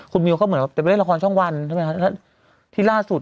คุณมิวเขาเหมือนกับไปเล่นละครช่องวันที่ล่าสุด